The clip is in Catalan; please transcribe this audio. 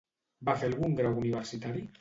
Va fer algun grau universitari?